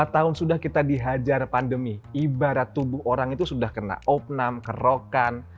lima tahun sudah kita dihajar pandemi ibarat tubuh orang itu sudah kena opnam kerokan